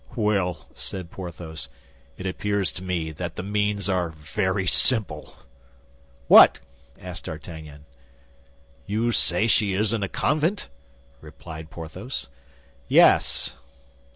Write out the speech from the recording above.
"Well," said Porthos, "it appears to me that the means are very simple." "What?" asked D'Artagnan. "You say she is in a convent?" replied Porthos. "Yes."